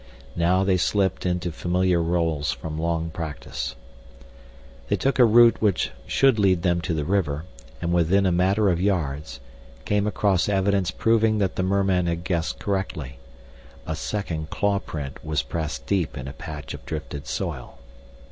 Now they slipped into familiar roles from long practice. They took a route which should lead them to the river, and within a matter of yards, came across evidence proving that the merman had guessed correctly; a second claw print was pressed deep in a patch of drifted soil.